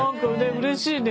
うれしいね